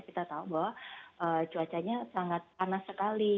kita tahu bahwa cuacanya sangat panas sekali